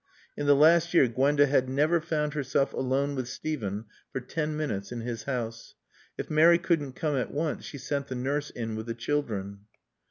In the last year Gwenda had never found herself alone with Steven for ten minutes in his house. If Mary couldn't come at once she sent the nurse in with the children.